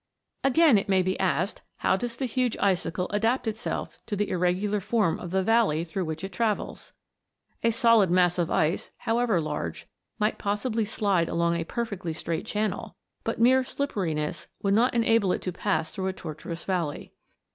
Again, it may be asked, how does the huge icicle adapt itself to the irregular form of the valley through which it travels ] A solid mass of ice, however large, might possibly slide along a per fectly straight channel, but mere slipperiness would 248 MOVING LANDS. not enable it to pass through a tortuous valley.